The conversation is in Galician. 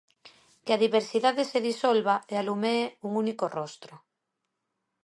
Que a diversidade se disolva e alumee un único rostro!